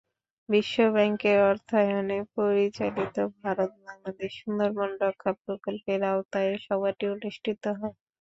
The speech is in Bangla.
বিশ্বব্যাংকের অর্থায়নে পরিচালিত ভারত-বাংলাদেশ সুন্দরবন রক্ষা প্রকল্পের আওতায় সভাটি অনুষ্ঠিত হয়।